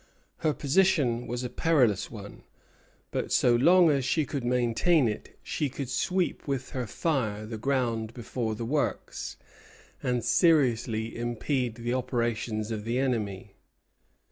Her position was a perilous one; but so long as she could maintain it she could sweep with her fire the ground before the works, and seriously impede the operations of the enemy.